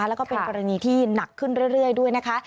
แล้วก็เป็นกรณีที่หนักขึ้นเรื่อยด้วยนะคะ